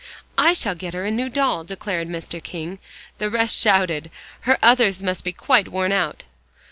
"I shall get her a new doll," declared Mr. King. The rest shouted. "Her others must be quite worn out."